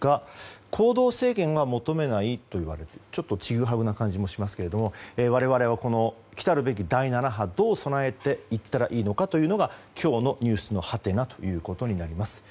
行動制限は求めないということでちょっとちぐはぐな感じがしますが我々はきたるべき第７波にどう備えていったらいいのかが今日のｎｅｗｓのハテナということになります。